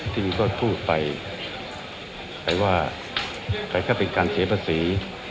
ทิมก็พูดไปใครว่าใครก็เป็นการเสียภาษี